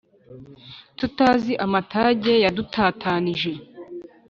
tutazi amatage yadutatanije